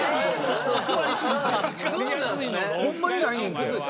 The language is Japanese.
ホンマにないんで。